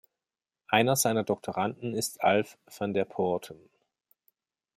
Einer seiner Doktoranden ist Alf van der Poorten.